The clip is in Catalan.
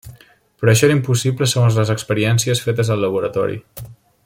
Però això era impossible segons les experiències fetes al laboratori.